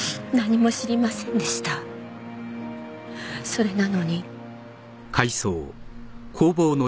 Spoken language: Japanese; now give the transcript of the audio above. それなのに。